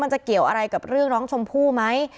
จะเกี่ยวอะไรกับเรื่องน้องชมพู่ไหม